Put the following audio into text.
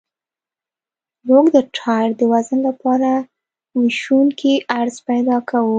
موږ د ټایر د وزن لپاره ویشونکی عرض پیدا کوو